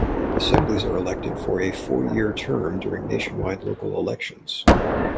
Assemblies are elected for a four-year term during nationwide local elections.